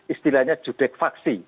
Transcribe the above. istilahnya judek faksi